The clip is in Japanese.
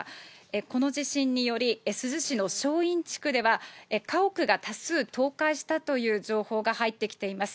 この地震により、珠洲市の正院地区では、家屋が多数、倒壊したという情報が入ってきています。